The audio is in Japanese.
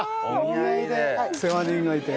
世話人がいて。